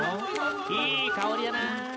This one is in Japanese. いい香りだな。